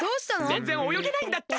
ぜんぜんおよげないんだった。